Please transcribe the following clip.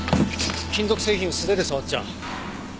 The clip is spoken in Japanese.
金属製品を素手で触っちゃ。